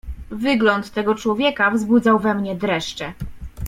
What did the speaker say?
"Wygląd tego człowieka wzbudzał we mnie dreszcze."